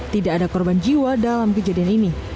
tidak ada korban jiwa dalam kejadian ini